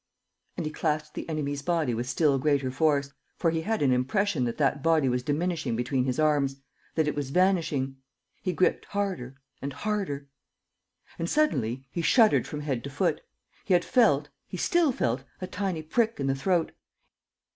..." And he clasped the enemy's body with still greater force, for he had an impression that that body was diminishing between his arms, that it was vanishing. He gripped harder ... and harder. ... And suddenly he shuddered from head to foot. He had felt, he still felt a tiny prick in the throat.